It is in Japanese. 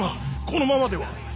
このままでは！